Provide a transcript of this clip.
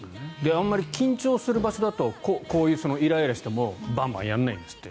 あまり緊張する場所だとこうやってイライラしてもバンバンやらないんですって。